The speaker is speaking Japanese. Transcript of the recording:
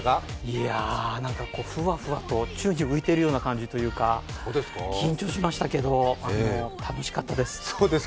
いやあ、ふわふわと宙に浮いてるような感じというか緊張しましたけど、楽しかったです。